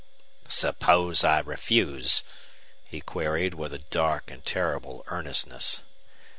"Suppose I refuse?" he queried, with a dark and terrible earnestness.